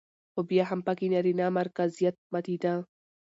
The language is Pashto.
خو بيا هم پکې نرينه مرکزيت ماتېده